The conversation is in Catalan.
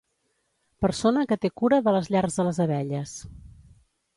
Persona que té cura de les llars de les abelles.